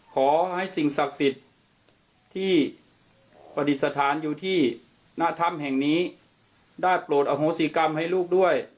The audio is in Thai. ขอให้สิ่งศักดิ์สิทธิ์ที่ประดิษฐานอยู่ที่หน้าถ้ำแห่งนี้ได้โปรดอโหสิกรรมให้ลูกด้วย